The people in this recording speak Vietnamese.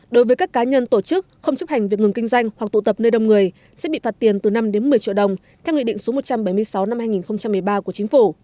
đối với các cá nhân tổ chức không chấp hành việc ngừng kinh doanh hoặc tụ tập nơi đông người sẽ bị phạt tiền từ năm đến một mươi triệu đồng theo nghị định số một trăm bảy mươi sáu năm hai nghìn một mươi ba của chính phủ